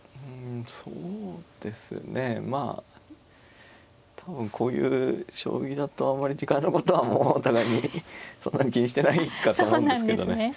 うんそうですねまあ多分こういう将棋だとあまり時間のことはもうお互いにそんなに気にしてないかと思うんですけどね。